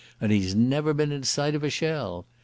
And he's never been in sight of a shell.